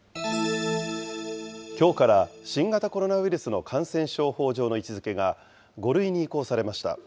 きょうから新型コロナウイルスの感染症法上の位置づけが５類に移行されました。